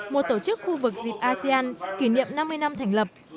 một tổ chức khu vực dịp asean kỷ niệm năm mươi năm thành lập